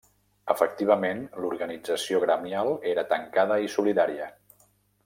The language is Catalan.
Efectivament, l'organització gremial era tancada i solidària.